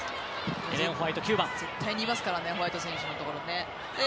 絶対にいますからねホワイト選手のところ。